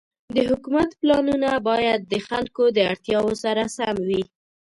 د حکومت پلانونه باید د خلکو د اړتیاوو سره سم وي.